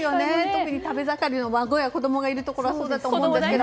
特に食べ盛りの子供や孫がいるところはそうだと思うんですが。